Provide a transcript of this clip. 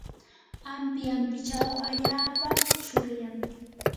ampi ampichaw allaapa shuylam.